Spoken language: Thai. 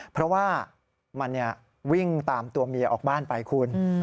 เพราะว่ามันวิ่งตามตัวเมียออกบ้านไปคุณ